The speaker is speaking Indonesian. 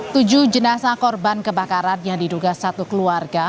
tujuh jenazah korban kebakaran yang diduga satu keluarga